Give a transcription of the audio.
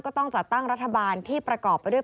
ก็ต้องจัดตั้งรัฐบาลที่ประกอบไปด้วย